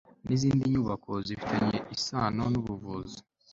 n izindi nyubako zifitanye isano n ubuvuzi